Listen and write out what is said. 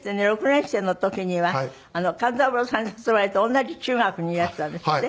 ６年生の時には勘三郎さんに誘われて同じ中学にいらしたんですって？